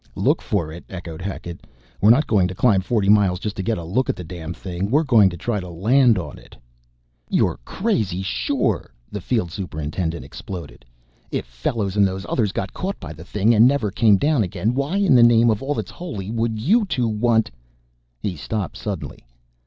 "Look for it?" echoed Hackett. "We're not going to climb forty miles just to get a look at the damn thing we're going to try landing on it!" "You're crazy sure!" the field superintendent exploded. "If Fellows and those others got caught by the thing and never came down again, why in the name of all that's holy would you two want " He stopped suddenly.